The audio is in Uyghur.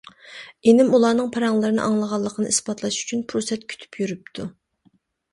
ئىنىم ئۇلارنىڭ پاراڭلىرىنى ئاڭلىغانلىقىنى ئىسپاتلاش ئۈچۈن پۇرسەت كۈتۈپ يۈرۈپتۇ.